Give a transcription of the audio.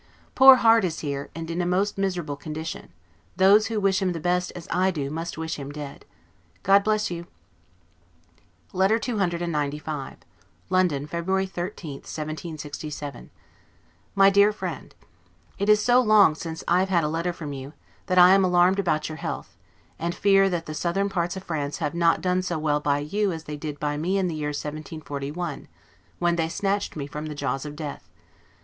Poor Harte is here, and in a most miserable condition; those who wish him the best, as I do, must wish him dead. God bless you! LETTER CCXCV LONDON, February 13, 1767. MY DEAR FRIEND: It is so long since I have had a letter from you, that I am alarmed about your health; and fear that the southern parts of France have not done so well by you as they did by me in the year 1741, when they snatched me from the jaws of death.